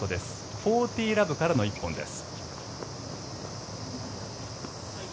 ４０−０からの１本です。